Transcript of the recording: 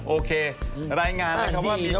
โอเครายงานคำว่ามีการ